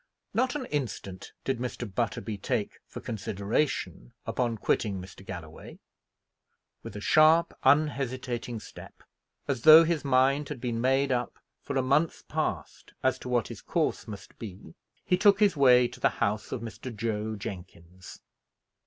Not an instant did Mr. Butterby take for consideration upon quitting Mr. Galloway. With a sharp, unhesitating step, as though his mind had been made up for a month past as to what his course must be, he took his way to the house of Mr. Joe Jenkins.